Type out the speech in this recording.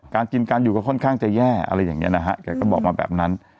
การกินการอยู่ก็ค่อนข้างจะแย่อะไรอย่างนี้นะฮะแกก็บอกมาแบบนั้น